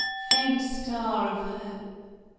FAINT Star of Hope !